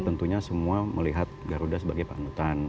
tentunya semua melihat garuda sebagai panutan